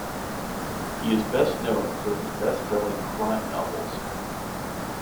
He is best known for his bestselling crime novels.